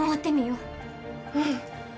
うん。